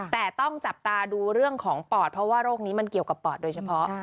แต่ต้องจับตาดูเรื่องของปอดเพราะว่าโรคนี้มันเกี่ยวกับปอดโดยเฉพาะ